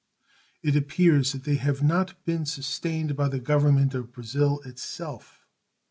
It appears that they have not been sustained by the Government of Brazil itself.